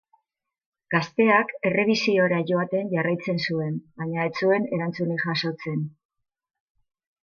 Gazteak errebisiora joaten jarraitzen zuen, baina ez zuen erantzunik jasotzen.